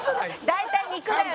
大体肉だよ